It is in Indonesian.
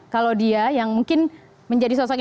kalau dia yang mungkin menjadi sosok